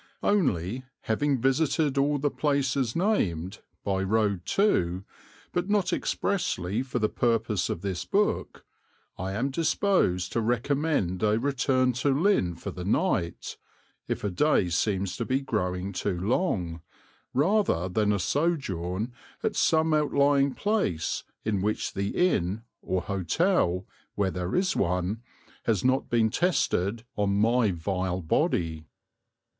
Only, having visited all the places named, by road too, but not expressly for the purpose of this book, I am disposed to recommend a return to Lynn for the night, if a day seems to be growing too long, rather than a sojourn at some outlying place in which the inn or hotel, where there is one, has not been tested on my vile body.